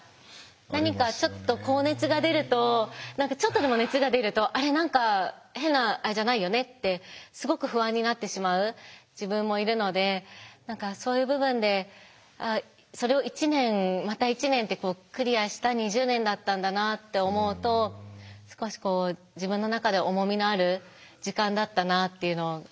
何かちょっと高熱が出るとちょっとでも熱が出ると「あれ何か変なあれじゃないよね？」ってすごく不安になってしまう自分もいるのでそういう部分でそれをだったんだなって思うと少しこう自分の中で重みのある時間だったなっていうのは感じます。